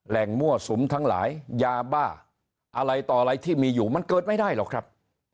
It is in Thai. มั่วสุมทั้งหลายยาบ้าอะไรต่ออะไรที่มีอยู่มันเกิดไม่ได้หรอกครับ